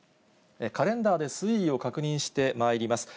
カレンダーで推移を確認してまいります。